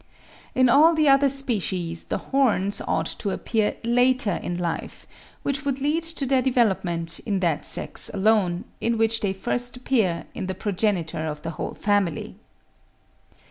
In all the other species the horns ought to appear later in life, which would lead to their development in that sex alone, in which they first appeared in the progenitor of the whole Family.